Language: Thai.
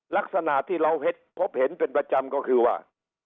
ลักษณะที่เราพบเห็นเป็นประจำก็คือว่า